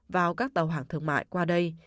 vào các tàu hàng thương mại qua đây